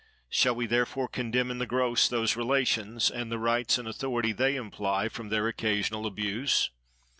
Shall we therefore condemn in the gross those relations, and the rights and authority they imply, from their occasional abuse?